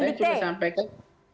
saya cuma sampaikan